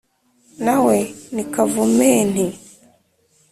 Na we ni Kavumenti :